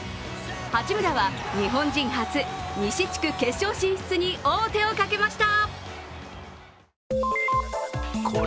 八村は日本人初西地区決勝進出に王手をかけました。